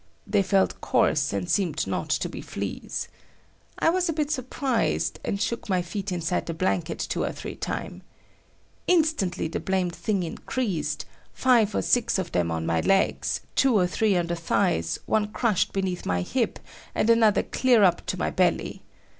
They felt coarse, and seemed not to be fleas. I was a bit surprised, and shook my feet inside the blanket two or three times. Instantly the blamed thing increased,—five or six of them on my legs, two or three on the thighs, one crushed beneath my hip and another clear up to my belly.